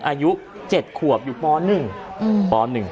อายุ๗ขวบอยู่ป๑ป๑